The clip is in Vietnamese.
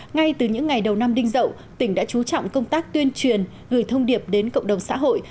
ngay từ những ngày đầu năm đinh dậu tỉnh đã chú trọng công tác tuyên truyền gửi thông điệp đến cộng đồng xã hội